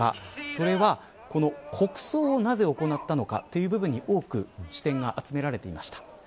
それは、この国葬をなぜ行ったのかという部分に多く視点が集められていました。